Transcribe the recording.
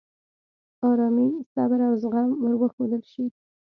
آرامي، صبر، او زغم ور وښودل شي.